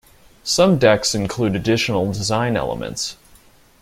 Some decks include additional design elements.